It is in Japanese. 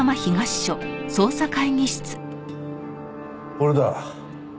俺だ。